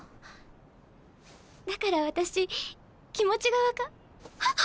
だから私気持ちが分かあっ！